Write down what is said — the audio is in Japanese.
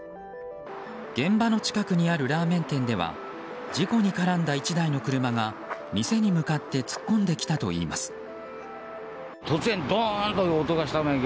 現場の近くにあるラーメン店では事故に絡んだ１台の車が店に向かって突っ込んできたといいます。